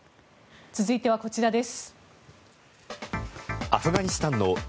続いてはこちらです。